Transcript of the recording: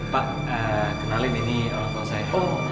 pak kenalin ini orang tua saya